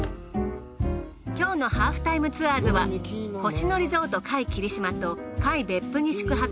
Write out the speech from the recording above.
今日の『ハーフタイムツアーズ』は星野リゾート界霧島と界別府に宿泊。